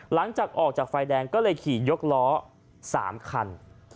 หลังจากออกจากไฟแดงก็เลยขี่ยกล้อ๓คัน